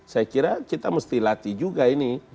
saya kira kita mesti latih juga ini